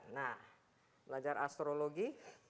nah belajar astrologi